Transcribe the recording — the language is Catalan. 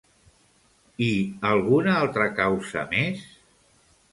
I alguna altra causa més?